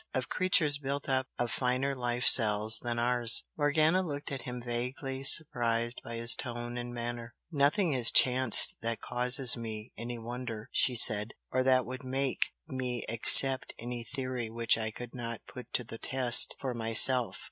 of creatures built up of finer life cells than ours?" Morgana looked at him, vaguely surprised by his tone and manner. "Nothing has chanced that causes me any wonder," she said "or that would 'make' me accept any theory which I could not put to the test for myself.